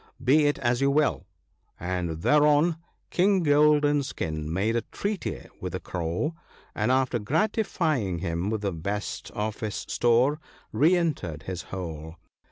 Be it as you will/ — and thereon King Golden skin made a treaty with the Crow, and after gratifying him with the best of his store re entered his hole.